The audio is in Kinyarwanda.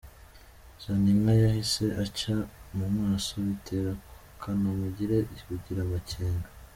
Zaninka yahise acya mu maso bitera Kanamugire kugira amakenga.